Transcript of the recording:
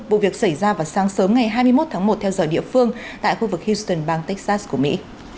vụ việc xảy ra vào sáng sớm ngày hai mươi một tháng một theo giờ địa phương tại khu vực houston bang texas của mỹ